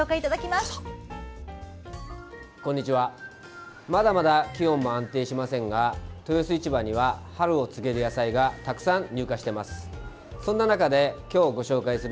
まだまだ気温は安定しませんが豊洲市場には春を告げる野菜がたくさん入荷しています。